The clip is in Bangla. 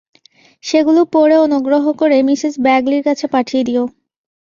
সেগুলো পড়ে অনুগ্রহ করে মিসেস ব্যাগলির কাছে পাঠিয়ে দিও।